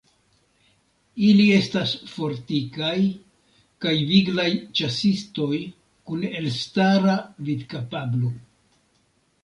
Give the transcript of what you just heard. Ili estas fortikaj kaj viglaj ĉasistoj kun elstara vidkapablo.